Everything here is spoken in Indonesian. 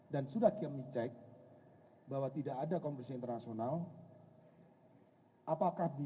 dan sudah kami cek bahwa tidak ada konvensi internasional